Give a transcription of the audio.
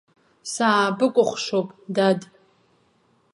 Саабыкәхшоуп, дад!